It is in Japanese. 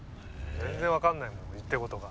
全然わかんないもん言ってることが。